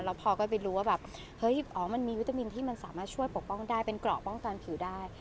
พอก็ไปรู้ว่าแบบเฮ้ยอ๋อมันมีวิตามินที่มันสามารถช่วยปกป้องได้เป็นเกราะป้องกันผิวได้